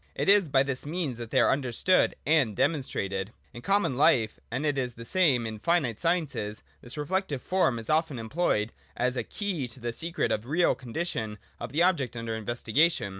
It is by this means that they are understood and demonstrated. In common life, and it is the same in the finite sciences, this reflective form is often employed as a key to the secret of the real condition of the objects under investigation.